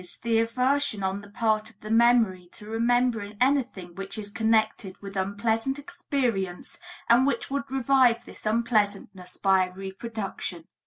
the aversion on the part of the memory to remembering anything which is connected with unpleasant experience and which would revive this unpleasantness by a reproduction.